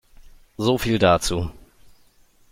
So viel dazu.